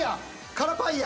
「カラパイヤ」。